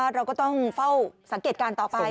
เราก็ต้องเฝ้าสังเกตการณ์ต่อไป